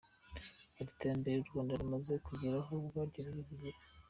Ati “Iterambere u Rwanda rumaze kugeraho ubwaryo ririvugira.